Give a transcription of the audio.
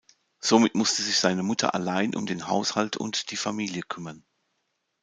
Somit musste sich seine Mutter allein um den Haushalt und die Familie kümmern.